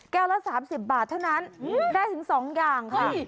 แก้วละสามสิบบาทเท่านั้นได้ถึงสองอย่าง